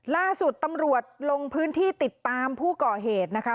ล่าสุดตำรวจลงพื้นที่ติดตามผู้ก่อเหตุนะคะ